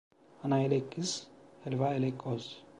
Ana ile kız, helva ile koz.